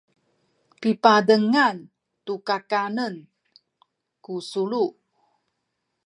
pipazengan tu kakanen ku sulu